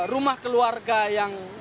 rumah keluarga yang